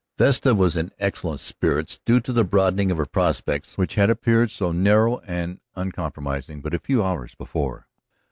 Vesta was in excellent spirits, due to the broadening of her prospects, which had appeared so narrow and unpromising but a few hours before.